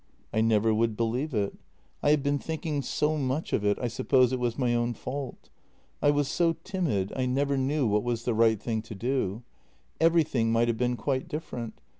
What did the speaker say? I never would believe it. I have been thinking so much of it, I suppose it was my own fault. I was so timid, I never JENNY 289 knew what was the right thing to do. Everything might have been quite different.